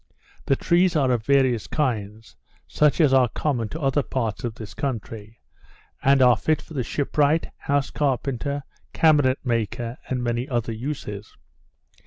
The trees are of various kinds, such as are common to other parts of this country, and are fit for the shipwright, house carpenter, cabinet maker, and many other uses.